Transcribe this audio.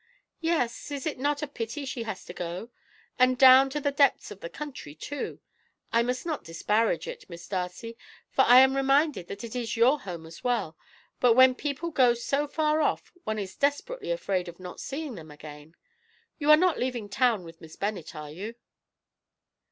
"Yes, is it not a pity she has to go? And down to the depths of the country, too. I must not disparage it, Miss Darcy, for I am reminded that it is your home as well; but when people go so far off one is desperately afraid of not seeing them again. You are not leaving town with Miss Bennet, are you?"